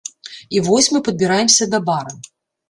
І вось мы падбіраемся да бара.